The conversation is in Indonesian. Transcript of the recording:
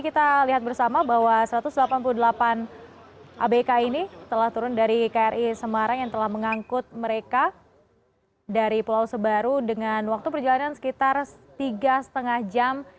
kita lihat bersama bahwa satu ratus delapan puluh delapan abk ini telah turun dari kri semarang yang telah mengangkut mereka dari pulau sebaru dengan waktu perjalanan sekitar tiga lima jam